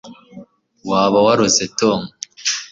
waba waroze tom